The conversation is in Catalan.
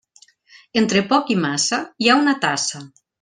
Entre poc i massa hi ha una tassa.